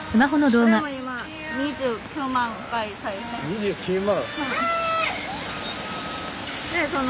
２９万？